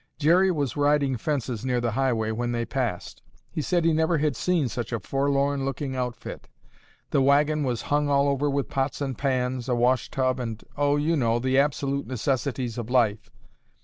Jerry was riding fences near the highway when they passed. He said he never had seen such a forlorn looking outfit. The wagon was hung all over with pots and pans, a washtub, and, oh, you know, the absolute necessities of life.